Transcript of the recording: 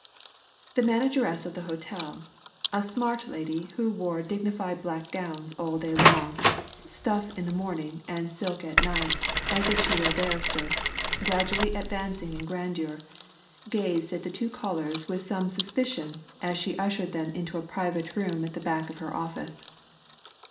The manageress of the hotel, a smart lady who wore dignified black gowns all day long stuff in the morning, and silk at night as if she were a barrister, gradually advancing in grandeur gazed at the two callers with some suspicion as she ushered them into a private room at the back of her office.